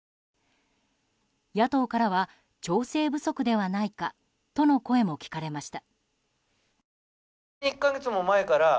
野党からは調整不足ではないかとの声も聞かれました。